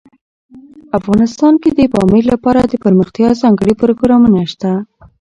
افغانستان کې د پامیر لپاره دپرمختیا ځانګړي پروګرامونه شته.